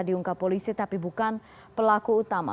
diungkap polisi tapi bukan pelaku utama